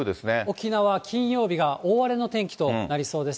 沖縄、金曜日が大荒れの天気となりそうです。